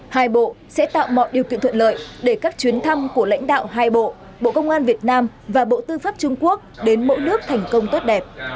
hai bộ sẽ tạo mọi điều kiện thuận lợi để các chuyến thăm của lãnh đạo hai bộ bộ công an việt nam và bộ tư pháp trung quốc đến mỗi nước thành công tốt đẹp